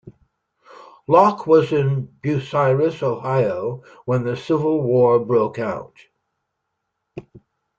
Locke was in Bucyrus, Ohio when the Civil War broke out.